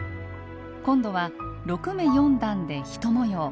今度は６目×４段で１模様。